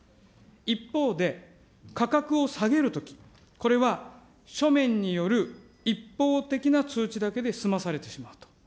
一方で、価格を下げるとき、これは書面による一方的な通知だけで済まされてしまうと。